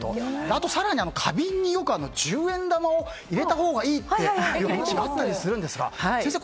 あと更に花瓶によく十円玉を入れたほうがいいという話があったりするんですが先生